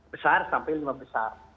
besar sampai lima besar